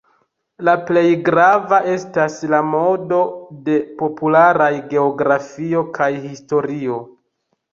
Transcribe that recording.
La plej grava estas la modo de popularaj geografio kaj historio.